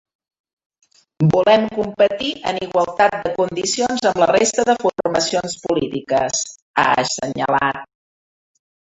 Volem competir en igualtat de condicions amb la resta de formacions polítiques, ha assenyalat.